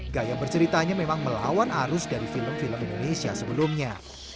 gaya berceritanya memang melawan arus dari film film indonesia sebelumnya